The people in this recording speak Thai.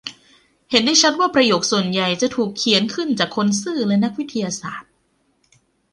เห็นได้ชัดว่าประโยคส่วนใหญ่จะถูกเขียนขึ้นจากคนซื่อและนักวิทยาศาสตร์